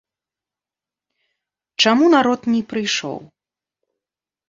Чаму народ не прыйшоў?